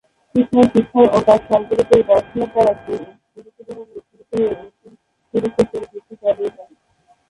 কৃষ্ণের শিক্ষণ ও তাঁর সর্ব-রূপের দর্শনের দ্বারা পুরোপুরিভাবে উজ্জীবিত হয়ে, অর্জুন কুরুক্ষেত্র যুদ্ধ চালিয়ে যান।